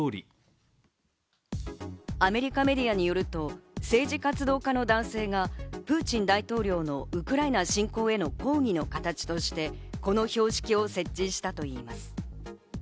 アメリカメディアによると、政治活動家の男性がプーチン大統領のウクライナ侵攻への抗議の形として、この標識を設置したといいます。